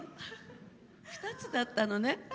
２つだったのね。